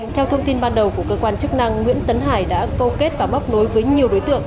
theo thông tin ban đầu của cơ quan chức năng nguyễn tấn hải đã câu kết và bóc nối với nhiều đối tượng